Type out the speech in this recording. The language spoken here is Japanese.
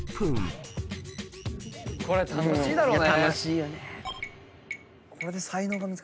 これ楽しいだろうね。